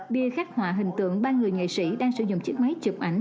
bia khắc họa hình tượng ba người nghệ sĩ đang sử dụng chiếc máy chụp ảnh